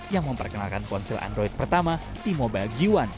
yang memperkenalkan ponsel android pertama di mobile g satu